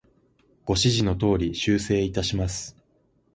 ご指示の通り、修正いたします。